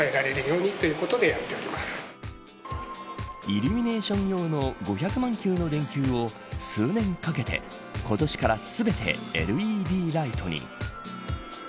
イルミネーション用の５００万球の電球を数年かけて今年から全てＬＥＤライトに。